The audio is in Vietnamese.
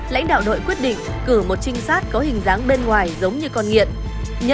lãnh đạo đội quyết định cử một trinh sát có hình dáng bên ngoài giống như con nghiện